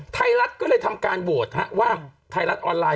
ไทยรัฐก็เลยทำการโหวตว่าไทยรัฐออนไลน์